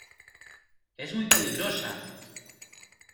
¡ es muy peligrosa!